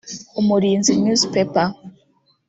Umurinzi newspaper